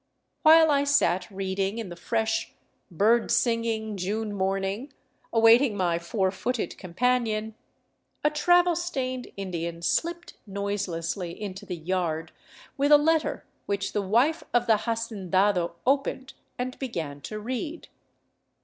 While I sat reading in the fresh, bird singing, June morning, awaiting my four footed companion, a travel stained Indian slipped noiselessly into the yard with a letter which the wife of the hacendado opened and began to read.